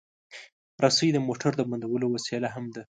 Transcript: رسۍ د موټر د بندولو وسیله هم ده.